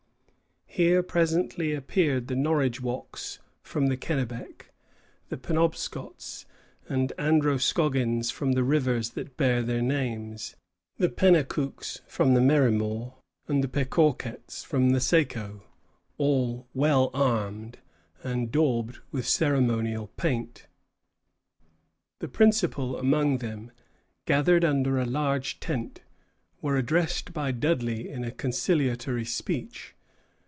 Here presently appeared the Norridgewocks from the Kennebec, the Penobscots and Androscoggins from the rivers that bear their names, the Penacooks from the Merrimac, and the Pequawkets from the Saco, all well armed, and daubed with ceremonial paint. The principal among them, gathered under a large tent, were addressed by Dudley in a conciliatory speech.